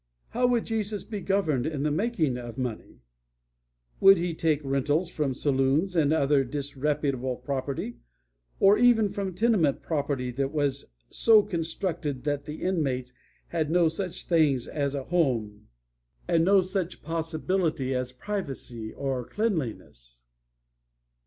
How would Jesus be governed in the making of money? Would He take rentals from saloons and other disreputable property, or even from tenement property that was so constructed that the inmates had no such things as a home and no such possibility as privacy or cleanliness?